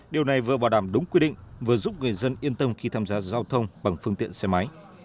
điều này vừa bảo đảm đúng quy định vừa giúp người dân yên tâm khi tham gia giao thông bằng phương tiện xe máy